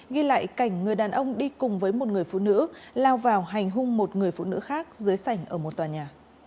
ghi lại cảnh người đàn ông đi cùng với một người phụ nữ lao vào hành hung một người phụ nữ khác dưới sảnh ở một tòa nhà